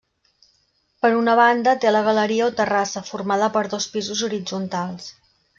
Per una banda té la galeria o terrassa, formada per dos pisos horitzontals.